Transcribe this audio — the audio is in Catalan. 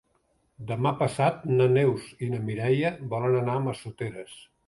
Demà passat na Neus i na Mireia volen anar a Massoteres.